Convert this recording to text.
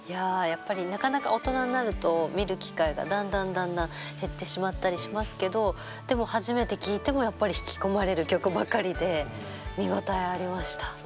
やっぱりなかなか大人になると見る機会がだんだんだんだん減ってしまったりしますけどでも初めて聴いてもやっぱり引き込まれる曲ばかりで見応えありました。